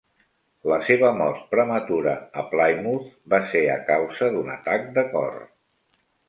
La seva mort prematura, a Plymouth, va ser a causa d'un atac de cor.